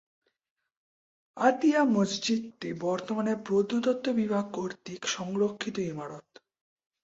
আতিয়া মসজিদটি বর্তমানে প্রত্নতত্ত্ব বিভাগ কর্তৃক সংরক্ষিত ইমারত।